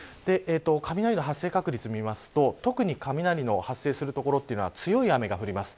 雷の発生確率を見ますが、特に雷が発生する所は強い雨が降ります。